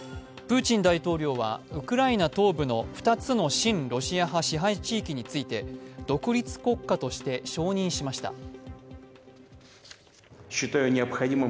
プーチン大統領はウクライナ東部の２つの親ロシア派支配地域について、独立国家として承認しました。